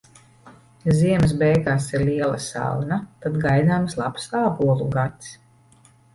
Ja ziemas beigās ir liela salna, tad gaidāms labs ābolu gads.